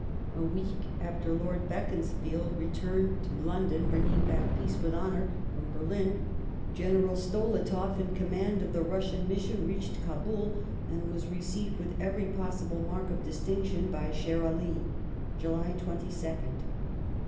A week after Lo Beaconsfield returned to London bringing back "Peace with Honour from Berlin, General Stolietoff in command of the Russian mission reached Kdbul, and was received with every possible mark of dis tinction by Sher Ali (July 22nd).